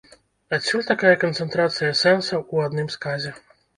Адсюль такая канцэнтрацыя сэнсаў у адным сказе.